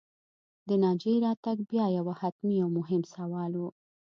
د ناجيې راتګ بیا یو حتمي او مهم سوال و